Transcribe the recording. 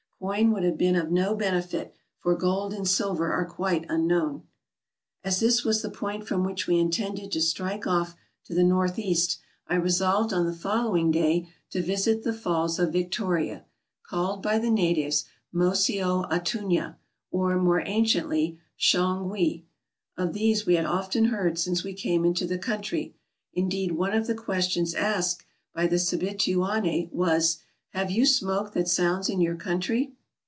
Coin would have been of no benefit, for gold and silver are quite unknown. As this was the point from which we intended to strike off to the north east, I resolved on the following day to visit the Falls of Victoria, called by the natives Mosioatunya, or more anciently Shongwe. Of these we had often heard since we came into the country; indeed, one of the ques tions asked by Sebituane was, " Have you smoke that sounds in your country